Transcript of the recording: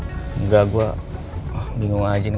enggak gue bingung aja nih